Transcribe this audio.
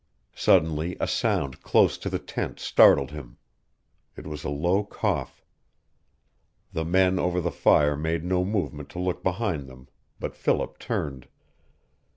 Suddenly a sound close to the tent startled him. It was a low cough. The men over the fire made no movement to look behind them, but Philip turned.